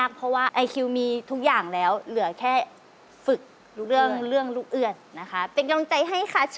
ฝากไปยังคุณมีทองนะคะ